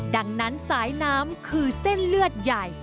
ดังนั้นสายน้ำคือเส้นเลือดใหญ่